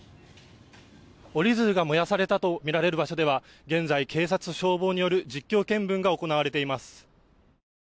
折り鶴が燃やされたとみられる場所では現在、警察と消防による実況見分が行われています。